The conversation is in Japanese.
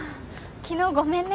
昨日ごめんね。